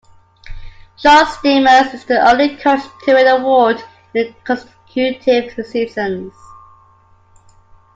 Jacques Demers is the only coach to win the award in consecutive seasons.